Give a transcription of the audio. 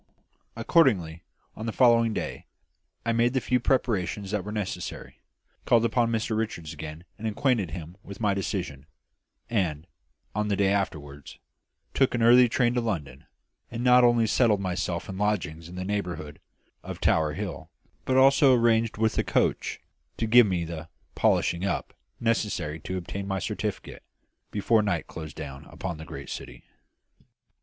Accordingly, on the following day I made the few preparations that were necessary; called upon Mr Richards again and acquainted him with my decision, and, on the day afterwards, took an early train to London, and not only settled myself in lodgings in the neighbourhood of Tower Hill, but also arranged with a "coach" to give me the "polishing up" necessary to obtain my certificate, before night closed down upon the great city.